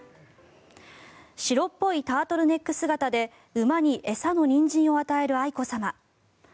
白っぽいタートルネック姿で馬に餌のニンジンを与える愛子さま。